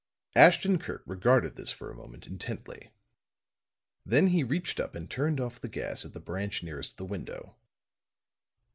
Ashton Kirk regarded this for a moment intently. Then he reached up and turned off the gas at the branch nearest the window.